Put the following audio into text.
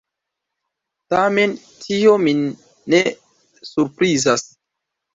Tamen tio min ne surprizas.